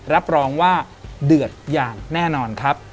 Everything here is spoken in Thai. รับรองว่าเดือดอย่างแน่นอนครับ